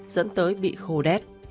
dẫn tới bị khô đét